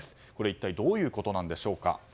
一体どういうことなんでしょうか。